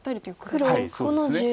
黒５の十二。